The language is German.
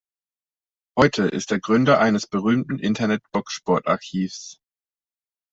Heute ist er Gründer eines berühmten Internet-Boxsportarchivs.